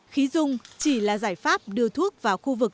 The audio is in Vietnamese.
khí dung chỉ là giải pháp đưa thuốc vào khu vực